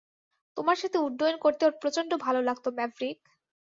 তোমার সাথে উড্ডয়ন করতে ওর প্রচণ্ড ভালো লাগতো, ম্যাভরিক।